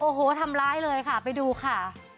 โอ้โหทำร้ายเลยค่ะไปดูค่ะ